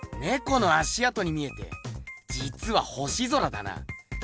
この足あとに見えてじつは星空だな。